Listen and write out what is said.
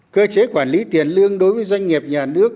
cơ chế quản lý tiền lương đối với doanh nghiệp nhà nước